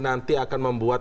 nanti akan membuat